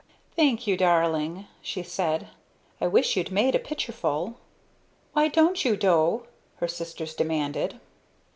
"Thank you, my darling," she said. "I wish you'd made a pitcherful." "Why didn't you, Do?" her sisters demanded.